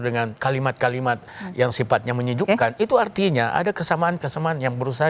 dengan kalimat kalimat yang sifatnya menyejukkan itu artinya ada kesamaan kesamaan yang berusaha